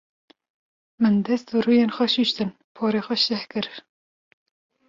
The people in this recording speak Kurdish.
Min dest û rûyên xwe şûştin, porê xwe şeh kir.